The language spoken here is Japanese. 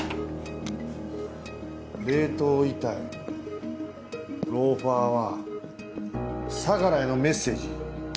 冷凍遺体ローファーは相良へのメッセージ。